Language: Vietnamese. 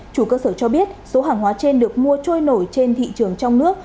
chủ cơ sở cho biết số hàng hóa trên được mua trôi nổi trên thị trường trong nước